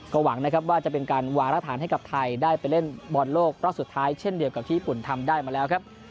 ก็หวังนะครับว่าจะเป็นการวางราฐานให้กับไทยได้ไปเล่นบอลโลกรอบสุดท้ายเช่นเดียวกับที่ญี่ปุ่นทำได้มาแล้วครับ